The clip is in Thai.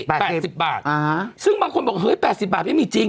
แปดสิบบาทอ่าซึ่งบางคนบอกเฮ้ยแปดสิบบาทไม่มีจริง